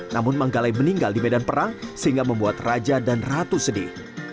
namun manggalai meninggal di medan perang sehingga membuat raja dan ratu sedih